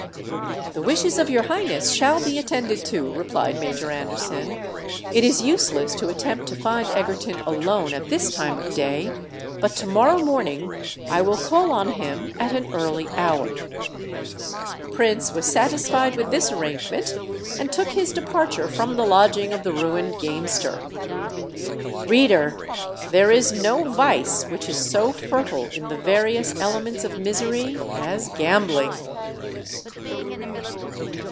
"The wishes of your Highness shall be attended to," replied Major Anderson. "It is useless to attempt to find Egerton alone at this time of the day; but to morrow morning I will call on him at an early hour." The Prince was satisfied with this arrangement, and took his departure from the lodging of the ruined gamester. Reader! there is no vice which is so fertile in the various elements of misery as Gambling!